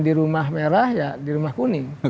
di rumah merah ya di rumah kuning